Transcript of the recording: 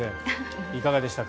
いかがでしたか。